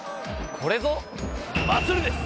これぞ祭です！